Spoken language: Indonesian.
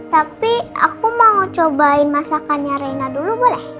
tapi aku mau cobain masakannya reina dulu boleh